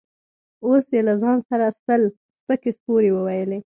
اوس يې له ځان سره سل سپکې سپورې وويلې.